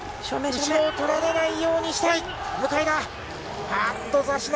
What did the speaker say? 後ろを取られないようにしたい、向田。